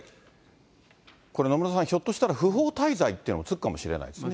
野村さん、ひょっとしたら、不法滞在っていうのもつくかもしれないですね。